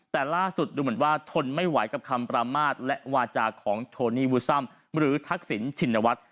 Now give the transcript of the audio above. แต่ล่าสุดดูเหมือนว่าทนไม่ไหวกับคำประมาทและวาจาของโทนี่วูซัมหรือทักษิณชินวัฒน์